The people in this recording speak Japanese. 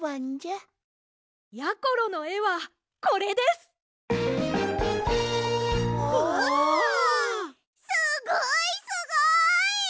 すごいすごい！